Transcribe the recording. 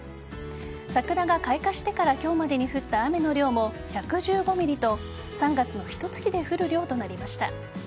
桜が開花してから今日までに降った雨の量も１１５ｍｍと３月のひと月で降る量となりました。